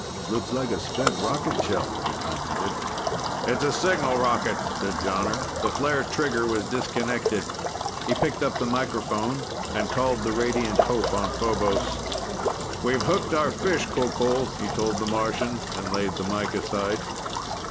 "Looks like a spent rocket shell," he commented. "It's a signal rocket," said Jonner. "The flare trigger was disconnected." He picked up the microphone and called the Radiant Hope on Phobos. "We've hooked our fish, Qoqol," he told the Martian, and laid the mike aside.